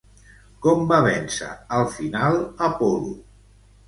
Com va vèncer al final Apol·lo?